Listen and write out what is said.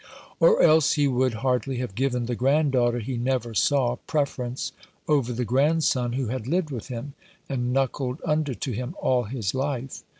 Or else he would hardly have given the granddaughter he never saw preference over the grandson who had lived with him and knuckled under to him all his life.'